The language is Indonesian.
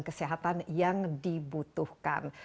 kesehatan yang dibutuhkan